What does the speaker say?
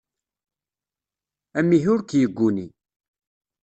Amihi ur k-yegguni.